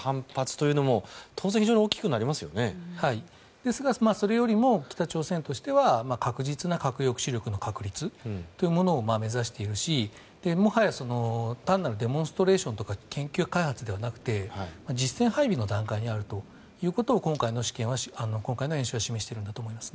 ですがそれよりも北朝鮮としては確実な核抑止力の確立を目指しているしもはや、単なるデモンストレーションとか研究開発ではなく実戦配備の段階にあると今回の演習は示しているんだと思いますね。